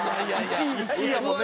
１位１位やもんね。